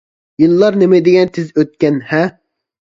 يىللار نېمە دېگەن تېز ئۆتكەن ھە!